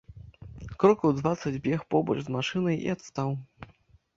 Крокаў дваццаць бег побач з машынай і адстаў.